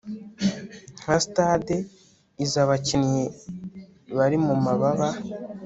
Nka stade izi abakinnyi bari mumababa